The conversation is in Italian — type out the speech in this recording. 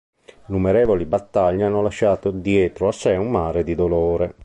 Innumerevoli battaglie hanno lasciato dietro a sé un mare di dolore.